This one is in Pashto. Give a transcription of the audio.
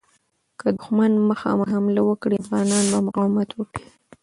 که دښمن مخامخ حمله وکړي، افغانان به مقاومت وکړي.